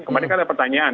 kemarin kan ada pertanyaan